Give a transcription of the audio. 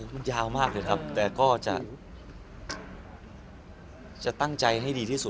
มันยาวมากเลยครับแต่ก็จะตั้งใจให้ดีที่สุด